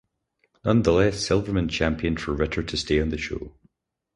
Nonetheless Silverman championed for Ritter to stay on the show.